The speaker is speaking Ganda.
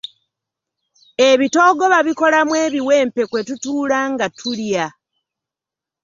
Ebitoogo babikolamu ebiwempe kwe tutuula nga tulya.